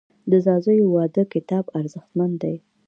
د ځاځیو واده کتاب ارزښتمن دی.